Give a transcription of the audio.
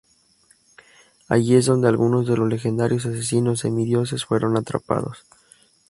Ahí es donde algunos de los legendarios asesinos semidioses fueron atrapados.